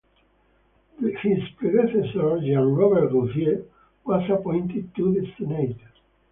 His predecessor, Jean-Robert Gauthier, was appointed to the Senate.